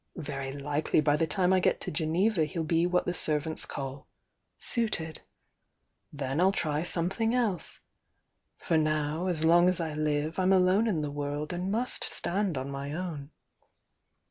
Very likely by the time I get to Geneva he'll be what the servants call 'suited.' Then I'll try some thing else. For now, as long as I live I'm alone in the world and must stand on my own."